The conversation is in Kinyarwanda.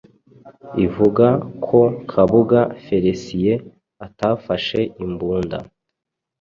ivuga ko Kabuga Félicien atafashe imbunda